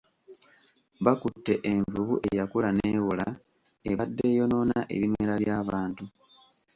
Bakutte envubu eyakula newola ebadde eyonoona ebimera by'abantu.